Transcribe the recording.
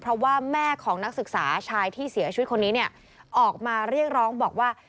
เพราะว่าแม่ของนักศึกษาชายที่เสียชีวิตคนนี้เนี่ยออกมาเรียกร้องบอกว่า